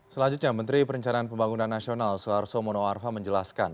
selanjutnya menteri perencanaan pembangunan nasional soeharto monoarfa menjelaskan